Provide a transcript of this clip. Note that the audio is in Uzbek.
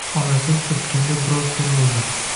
Onasin upganda biroz termuldim